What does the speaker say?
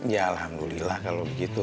ya alhamdulillah kalau begitu